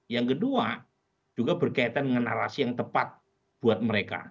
yang kedua juga berkaitan dengan narasi yang tepat buat mereka